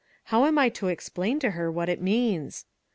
How am I to explain to her what it means